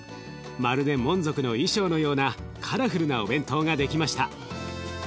まるでモン族の衣装のようなカラフルなお弁当が出来ました。